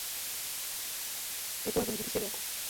Epua viazilishe vyako